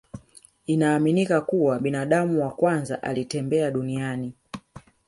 Inaaminika kuwa binadamu wa kwanza alitembea duniani